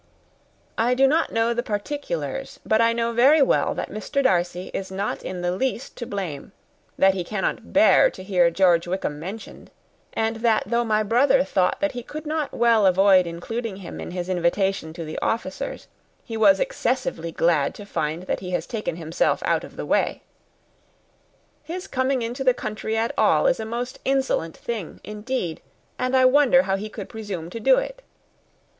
I do not know the particulars, but I know very well that Mr. Darcy is not in the least to blame; that he cannot bear to hear George Wickham mentioned; and that though my brother thought he could not well avoid including him in his invitation to the officers, he was excessively glad to find that he had taken himself out of the way. His coming into the country at all is a most insolent thing, indeed, and I wonder how he could presume to do it.